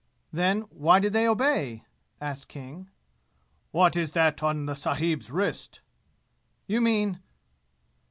"Then, why did they obey?" asked King. "What is that on the sahib's wrist?" "You mean